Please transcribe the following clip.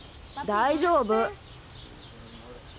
大丈夫。